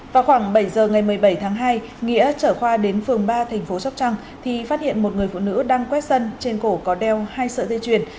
vào khoảng bảy h ngày một mươi bảy tháng hai nghĩa chở khoa đến phường ba tp sốc trăng thì phát hiện một người phụ nữ đang quét sân trên cổ có đeo hai sợi dây chuyền